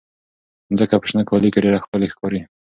مځکه په شنه کالي کې ډېره ښکلې ښکاري.